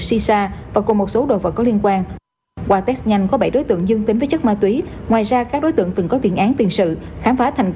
xì xa và cùng một số đồ vật có liên quan